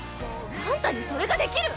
あんたにそれができる？